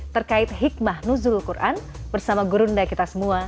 terkait hikmah nuzul quran bersama gurunda kita semua